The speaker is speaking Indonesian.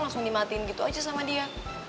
langsung nimatin gitu aja sama dia